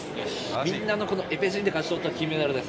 みんなのエペジーーンで勝ち取った金メダルです。